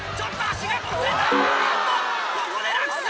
ここで落水！